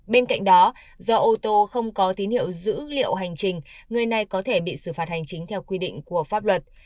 bên cạnh đó do ô tô không có tín hiệu dữ liệu hành trình người này có thể bị xử phạt hành chính theo quy định của pháp luật